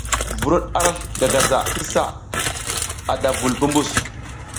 Vuruɗ arasl gagaza ki sa, ada vul pumbus.